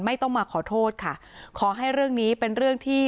ไม่ต้องมาขอโทษค่ะขอให้เรื่องนี้เป็นเรื่องที่